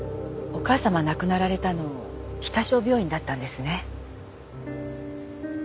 お母様亡くなられたの北昭病院だったんですね。